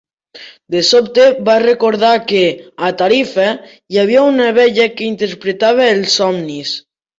De sobte va recordar que, a Tarifa, hi havia una vella que interpretava els somnis.